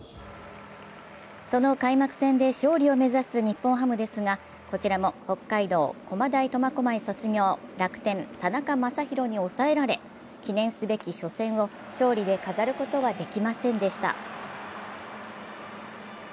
その開幕戦で勝利を目指す日本ハムですが、こちらも北海道・駒大苫小牧卒業楽天・田中将大に抑えられ、記念すべき初戦を勝利で飾ることはできませんでした。